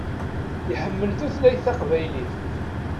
Iḥemmel tutlayt taqbaylit.